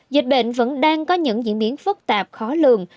dịch bệnh vẫn đang có những diễn biến phức tạp khó lường